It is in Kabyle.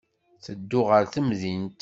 Ttedduɣ ɣer temdint.